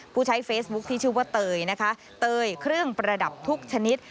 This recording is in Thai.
ผู้ใช้เฟซบุ๊คที่ชื่อว่าเตยนะคะเตยเครื่องประดับทุกชนิด